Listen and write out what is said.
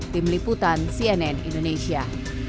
tim liputan cnn indonesia